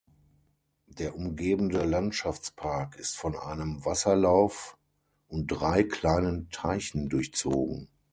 Der umgebende Landschaftspark ist von einem Wasserlauf und drei kleinen Teichen durchzogen.